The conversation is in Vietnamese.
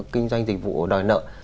kinh doanh dịch vụ đòi nợ